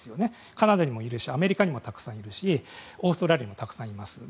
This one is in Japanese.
カナダにもいるしアメリカにもたくさんいるしオーストラリアにもたくさんいます。